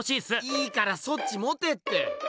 いいからそっち持てって！